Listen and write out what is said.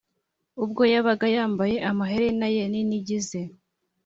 ubwo yabaga yambaye amaherena ye n’inigi ze,